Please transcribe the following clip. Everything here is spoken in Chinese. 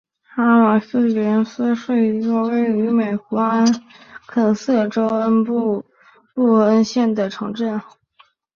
瓦利斯普林斯是一个位于美国阿肯色州布恩县的城镇。